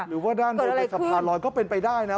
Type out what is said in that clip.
หรือว่าด้านบนเป็นสะพานลอยก็เป็นไปได้นะ